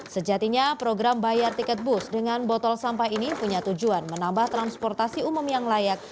sejatinya program bayar tiket bus dengan botol sampah ini punya tujuan menambah transportasi umum yang layak